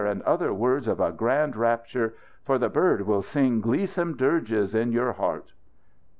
and other words of a grand rapture. For the bird will sing gleesome dirges in your heart!"